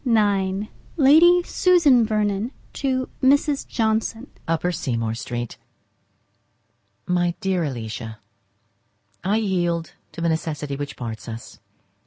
XXXIX Lady Susan to Mrs. Johnson. Upper Seymour Street. My dear Alicia,—I yield to the necessity which parts us.